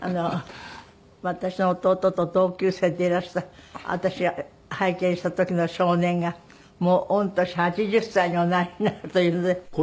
私の弟と同級生でいらした私が拝見した時の少年がもう御年８０歳におなりになるというのですごく。